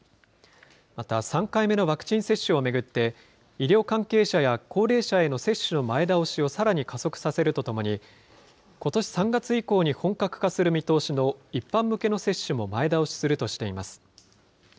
また、３回目のワクチン接種を巡って、医療関係者や高齢者への接種の前倒しをさらに加速させるとともに、ことし３月以降に本格化する見通しの一般向けの接種も前倒しするとしています。